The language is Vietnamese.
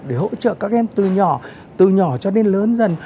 để hỗ trợ các em từ nhỏ từ nhỏ cho đến lớn dần